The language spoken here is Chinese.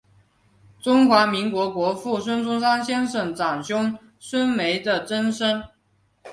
中华民国国父孙中山先生长兄孙眉的曾孙。